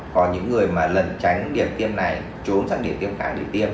còn những người mà lẩn tránh điểm tiêm này trốn sát điểm tiêm cản để tiêm